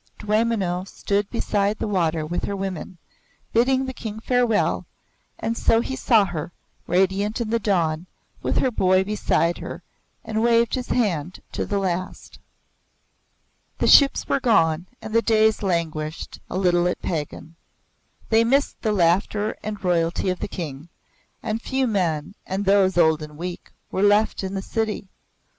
Dwaymenau stood beside the water with her women, bidding the King farewell, and so he saw her, radiant in the dawn, with her boy beside her, and waved his hand to the last. The ships were gone and the days languished a little at Pagan. They missed the laughter and royalty of the King, and few men, and those old and weak, were left in the city.